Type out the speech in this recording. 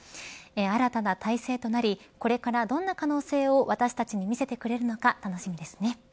新たな体制となりこれからどんな可能性を私たちに見せてくれるのか楽しみですね。